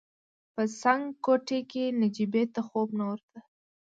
په څنګ کوټې کې نجيبې ته خوب نه ورته.